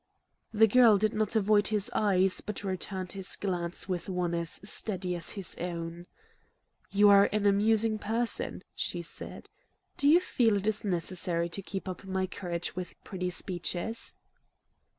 The girl did not avoid his eyes, but returned his glance with one as steady as his own. "You are an amusing person," she said. "Do you feel it is necessary to keep up my courage with pretty speeches?"